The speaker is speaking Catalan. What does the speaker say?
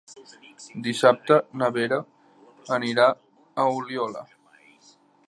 Dissabte na Vera anirà a Oliola.